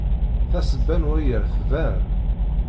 Tasebba n waya tban.